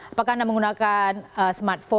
apakah anda menggunakan smartphone